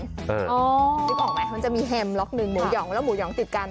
นึกออกไหมมันจะมีแฮมล็อกหนึ่งหมูหยองแล้วหมูหองติดกัน